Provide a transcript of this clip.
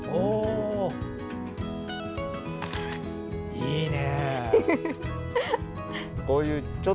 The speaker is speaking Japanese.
いいね。